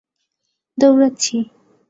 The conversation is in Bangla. দৌড়াচ্ছি।